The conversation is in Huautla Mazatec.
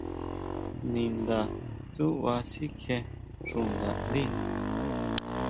Ninda tsúʼba sikjie xuʼnda ndí.